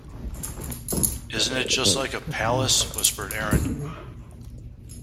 “Isn’t it just like a palace?” whispered Erin.